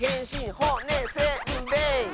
「ほ・ね・せ・ん・べい！」